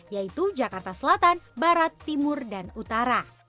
yaitu jakarta selatan barat timur dan utara